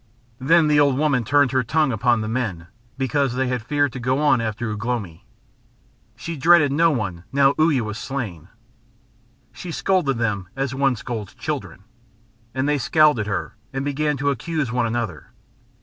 Then the old woman turned her tongue upon the men because they had feared to go on after Ugh lomi. She dreaded no one now Uya was slain. She scolded them as one scolds children. And they scowled at her, and began to accuse one another.